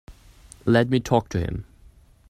Let me talk to him.